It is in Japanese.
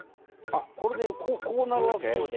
あっこれでこうなるわけ？